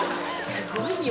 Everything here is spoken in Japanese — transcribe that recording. すごいよ。